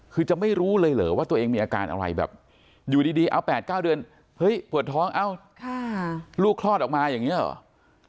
คือจะไม่รู้เลยเหรอว่าตัวเองมีอาการอะไรแบบอยู่ดีเอา๘๙เดือนเฮ้ยปวดท้องเอ้าลูกคลอดออกมาอย่างนี้หรอ